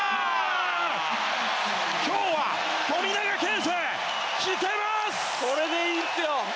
今日は富永啓生、来てます！